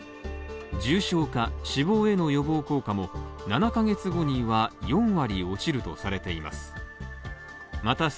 重症化、死亡への予防効果も７ヶ月後には４割落ちるとされています。